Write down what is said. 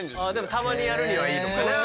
たまにやるにはいいのかな。